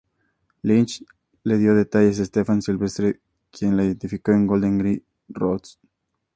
Lynch le dio detalles a Stefan Sylvestre, quien la identificó en Golders Green Road.